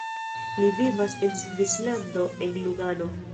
Li vivas en Svislando en Lugano.